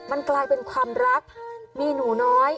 เบื้องต้น๑๕๐๐๐และยังต้องมีค่าสับประโลยีอีกนะครับ